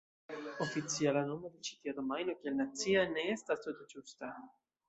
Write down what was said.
Oficiala nomo de ĉi tia domajno kiel "nacia" ne estas tute ĝusta.